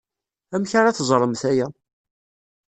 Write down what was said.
Amek ara teẓremt aya?